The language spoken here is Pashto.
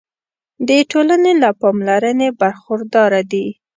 د ټولنې له پاملرنې برخورداره دي.